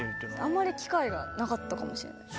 あんまり機会がなかったかもしれないです。